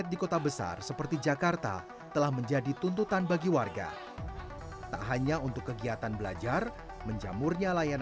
satu enam ratus lima puluh empat di jakarta barat satu empat ratus tiga puluh delapan di jakarta timur